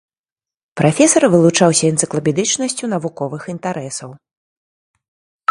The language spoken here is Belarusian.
Прафесар вылучаўся энцыклапедычнасцю навуковых інтарэсаў.